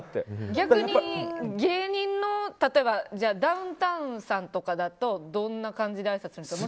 逆に、芸人の例えばダウンタウンさんとかだとどんな感じであいさつするんですか。